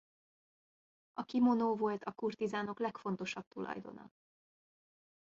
A kimonó volt a kurtizánok legfontosabb tulajdona.